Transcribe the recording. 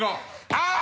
あっ！